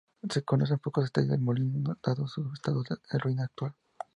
Se conocen pocos detalles del molino dado su estado de ruina actual.